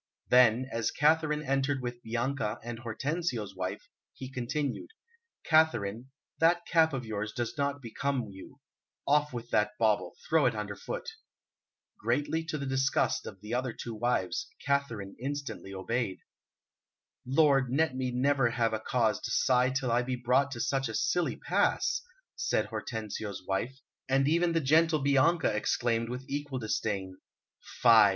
Then, as Katharine entered with Bianca and Hortensio's wife, he continued: "Katharine, that cap of yours does not become you; off with that bauble, throw it underfoot." Greatly to the disgust of the other two wives, Katharine instantly obeyed. "Lord, let me never have a cause to sigh till I be brought to such a silly pass," said Hortensio's wife, and even the gentle Bianca exclaimed with equal disdain: "Fie!